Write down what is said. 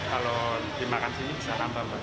kalau dimakan sini bisa nambah